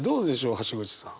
橋口さん。